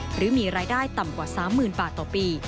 หรือมีรายได้ต่ำกว่า๓๐๐๐บาทต่อปี